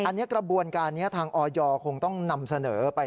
อันนี้กระบวนการนี้ทางออยคงต้องนำเสนอไป